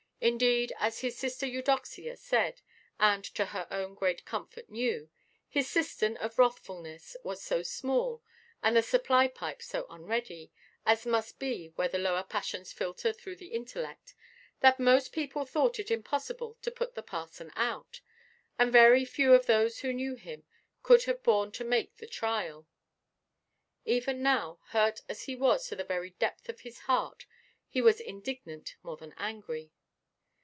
Indeed, as his sister Eudoxia said, and to her own great comfort knew, his cistern of wrathfulness was so small, and the supply–pipe so unready—as must be where the lower passions filter through the intellect—that most people thought it impossible "to put the parson out." And very few of those who knew him could have borne to make the trial. Even now, hurt as he was to the very depth of his heart, he was indignant more than angry.